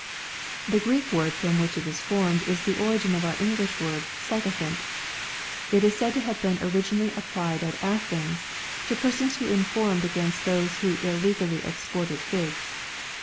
The Greek word from which it is formed is the origin of our English word " sycophant." It is said to have been originally ap^ plied at Athens, to persons who informed against those who ille gally exported figs.